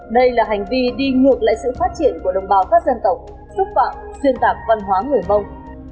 đây là hành vi đi ngược lại sự phát triển của đồng bào các dân tộc xúc phạm xuyên tạc văn hóa người mông